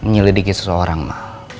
menyelidiki seseorang ma